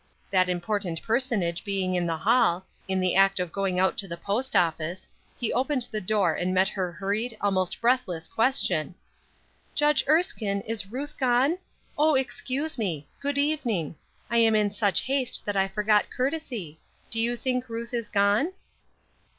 That important personage being in the hall, in the act of going out to the post office, he opened the door and met her hurried, almost breathless, question: "Judge Erskine, is Ruth gone? Oh, excuse me. Good evening. I am in such haste that I forgot courtesy. Do you think Ruth is gone?"